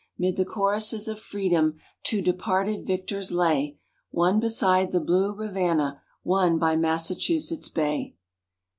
'Mid the choruses of Freedom, two departed victors lay, One beside the blue Rivanna, one by Massachusetts Bay.